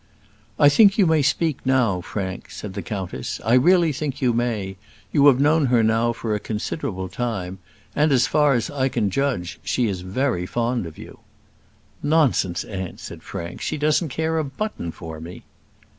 "I think you may speak now, Frank," said the countess. "I really think you may: you have known her now for a considerable time; and, as far as I can judge, she is very fond of you." "Nonsense, aunt," said Frank; "she doesn't care a button for me."